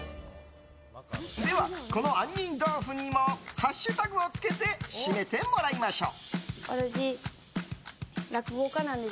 では、この杏仁豆腐にもハッシュタグをつけて締めてもらいましょう。